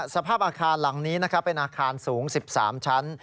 สภาพอาคารหลังนี้เป็นอาคารสูง๑๓ชั้น